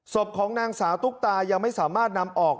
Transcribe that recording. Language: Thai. ศพของนางสาวตุ๊กตายังไม่สามารถนำออก